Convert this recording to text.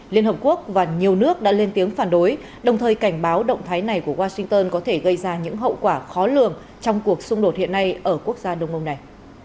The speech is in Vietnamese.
liên hợp quốc và nhiều nước đã lên tiếng phản đối đồng thời cảnh báo động thái này của washington có thể gây ra những hậu quả khó lường trong cuộc xung đột hiện nay ở quốc gia đông mông này